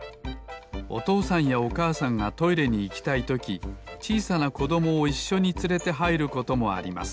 おとうさんやおかあさんがトイレにいきたいときちいさなこどもをいっしょにつれてはいることもあります